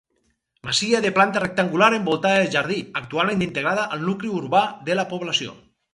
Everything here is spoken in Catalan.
Masia de planta rectangular envoltada de jardí, actualment integrada al nucli urbà de la població.